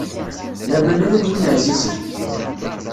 Laman ala d win ɛzizen.